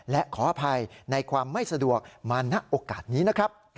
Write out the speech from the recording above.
และขออภัยในความไม่สะดวกมาณโอกาสนี้นะครับ